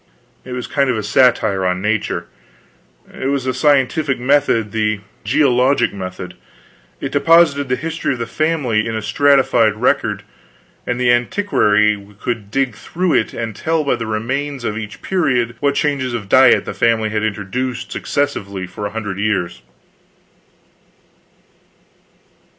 It was a kind of satire on Nature: it was the scientific method, the geologic method; it deposited the history of the family in a stratified record; and the antiquary could dig through it and tell by the remains of each period what changes of diet the family had introduced successively for a hundred years.